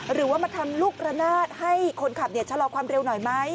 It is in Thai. หรือว่ามาทำลูกระนาดให้คนขับชะลอความเร็วหน่อยไหม